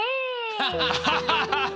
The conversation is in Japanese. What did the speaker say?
アハハハハ！